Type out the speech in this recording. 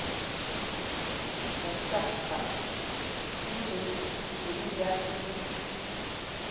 Rachakqa kuurri kurrilla rikun.